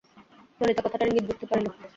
ললিতা কথাটার ইঙ্গিত বুঝিতে পারিল।